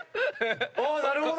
なるほど！